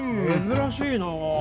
珍しいなあ。